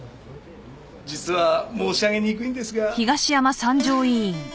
実は申し上げにくいんですがアハハ。